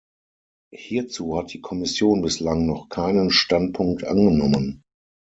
Hierzu hat die Kommission bislang noch keinen Standpunkt angenommen.